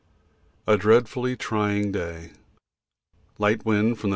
A dreadfully trying day. Light wind from the N.